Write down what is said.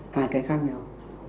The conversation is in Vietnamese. hai cái khác nhau